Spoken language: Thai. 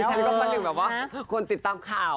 ทั้งหนึ่งแบบว่าคนติดตามข่าว